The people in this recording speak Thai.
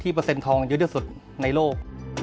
ที่เปอร์เซ็นต์ทองเยอะเยอะสุดในโลก